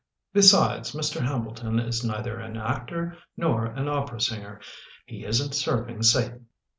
Besides, Mr. Hambleton is neither an actor nor an opera singer; he isn't 'serving Satan.'"